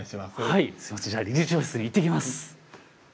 はいすいませんじゃあ理事長室に行ってきます。